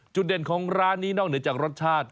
จุดเด่นของร้านนี้นอกเหนือจากรสชาติ